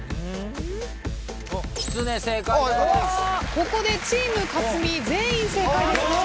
ここでチーム克実全員正解です。